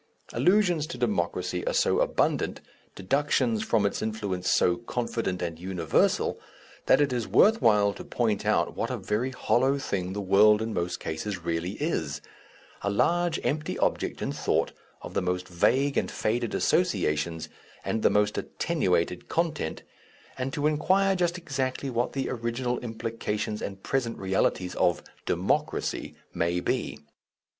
Allusions to Democracy are so abundant, deductions from its influence so confident and universal, that it is worth while to point out what a very hollow thing the word in most cases really is, a large empty object in thought, of the most vague and faded associations and the most attenuated content, and to inquire just exactly what the original implications and present realities of "Democracy" may be.